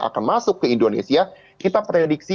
akan masuk ke indonesia kita prediksi